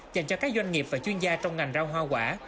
dành cho các doanh nghiệp và chuyên gia trong ngành rau hoa quả